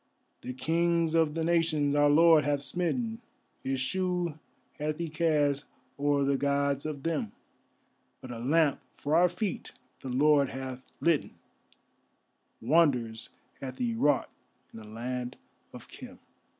The Kings of the Nations our Lord hath smitten, His shoe hath He cast o'er the Gods of them, But a lamp for our feet the Lord hath litten, Wonders hath he wrought in the Land of Khem.